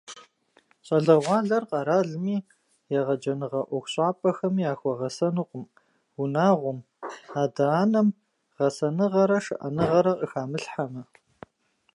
Щӏалэгъуалэр къэралми, егъэджэныгъэ ӏуэхущӏапӏэхэми яхуэгъэсэнукъым, унагъуэм, адэ-анэм гъэсэныгъэрэ шыӏэныгъэрэ къыхамылъхьэмэ.